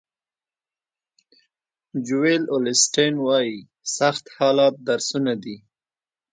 جویل اولیسټن وایي سخت حالات درسونه دي.